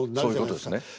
そういうことですね。